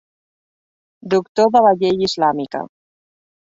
Doctor de la llei islàmica.